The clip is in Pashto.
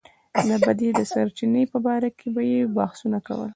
د بدۍ د سرچينې په باره کې به يې بحثونه کول.